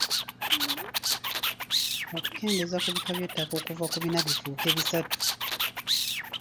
Okukendeeza ku bika by’ettaka okuva ku bina bifuuke bisatu.